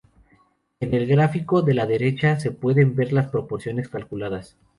En el gráfico de la derecha se pueden ver las proporciones calculadas.